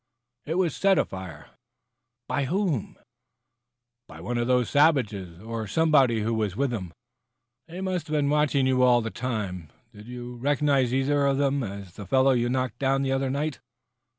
"It was set afire!" "By whom?" "By one of those savages, or by somebody who was with them. They must have been watching you all the time. Did you recognize either of them as the fellow you knocked down the other might?"